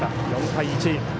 ４対１。